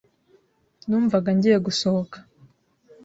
Numvaga ngiye gusohoka.